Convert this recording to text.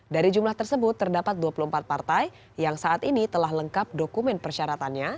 dari jumlah tersebut terdapat dua puluh empat partai yang saat ini telah lengkap dokumen persyaratannya